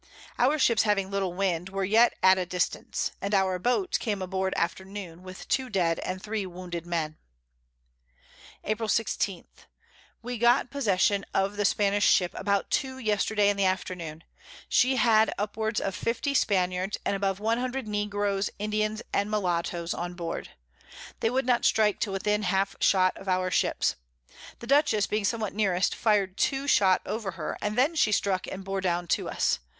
Our Ships having little Wind, were yet at a distance; and our Boat came aboard after noon, with two dead and three wounded Men. April 16. We got possession of the Spanish Ship about two yesterday in the afternoon. She had upwards of 50 Spaniards and above 100 Negroes, Indians, and Molattoes on board. They would not strike till within half shot of our Ships: The Dutchess being somewhat nearest, fir'd two Shot over her, and then she struck, and bore down to us.